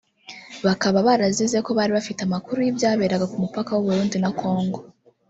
bakaba barazize ko bari bafite amakuru y’ibyaberaga ku mupaka w’u Burundi na Kongo